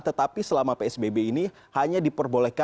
tetapi selama psbb ini hanya diperbolehkan